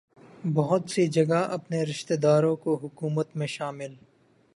بہت سی جگہ اپنے رشتہ داروں کو حکومت میں شامل